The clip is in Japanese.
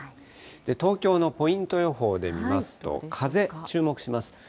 東京のポイント予報で見ますと、風、注目します。